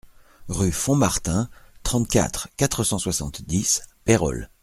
Rue Font Martin, trente-quatre, quatre cent soixante-dix Pérols